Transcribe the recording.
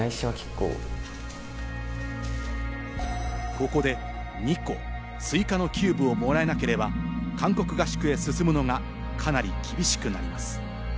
ここで２個追加のキューブをもらえなければ韓国合宿へ進むのがかなり厳しくなります。